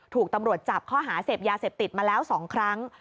ถูกตำรวจจับข้อหาเสพยาเสพติดมาแล้ว๒ครั้ง